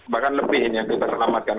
bahkan lebih ini yang kita selamatkan